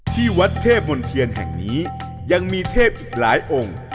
ที่วัดเทพมนเทียนแห่งนี้ยังมีเทพอีกหลายองค์